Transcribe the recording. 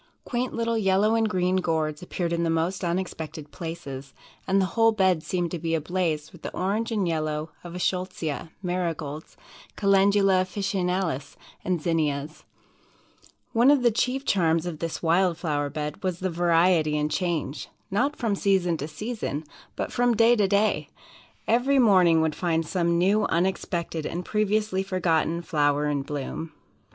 Quaint little yellow and green Gourds appeared in the most unexpected places, and the whole bed seemed to be ablaze with the orange and yellow of the Eschscholtzia, Marigolds, Calendula Officinalis and Zinnias. One of the chief charms of this wild flower bed was the variety and change not from season to season, but from day to day. Every morning would find some new, unexpected, and previously forgotten flower in bloom."